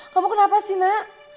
kamu kenapa sih nak